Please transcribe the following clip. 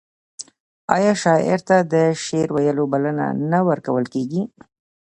آیا شاعر ته د شعر ویلو بلنه نه ورکول کیږي؟